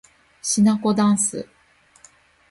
しなこだんす